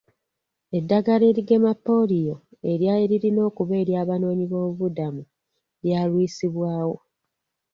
Eddagala erigema pooliyo eryali lirina okuba ery'abanoonyiboobubudamu lyalwisibwawo.